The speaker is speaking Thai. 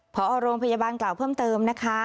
พอโรงพยาบาลกล่าวเพิ่มเติมนะคะ